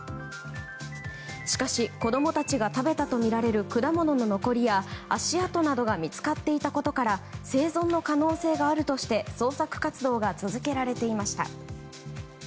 しかし、子供たちが食べたとみられる果物の残りや足跡などが見つかっていたことから生存の可能性があるとして捜索活動が続けられていました。